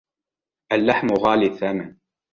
اللحم غالي الثمن.